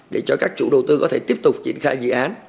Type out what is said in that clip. để cho các chủ đầu tư có thể tiếp tục triển khai dự án